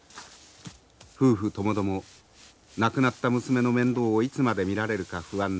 夫婦ともども亡くなった娘の面倒をいつまで見られるか不安です。